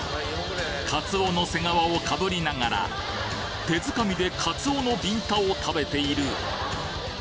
カツオの背皮をかぶりながら、手づかみでカツオのビンタを食べている。